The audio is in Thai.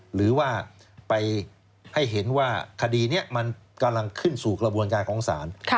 หรือว่าไปให้เห็นว่าคดีนี้มันกำลังขึ้นสู่กระบวนการของศาล